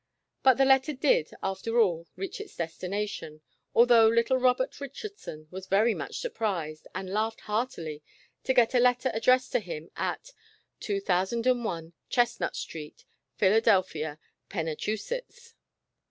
But the letter did, after all, reach its destination, although little Robert Richardson was very much surprised, and laughed heartily to get a letter addressed to him at — ^'Achusetts's Ride to Philadelphia." 247 2001 Chestnut Street, Philadelphia, PcnnacJiusetts.